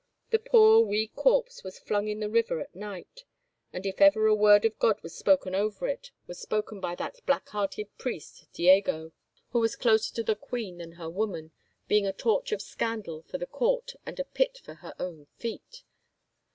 The poor wee corpse was flung in the river at night, and if ever a word of God was spoken over it was spoken by that black hearted priest Diego, who was closer to the queen than her woman, being a torch of scandal for the court and a pit for her own feet."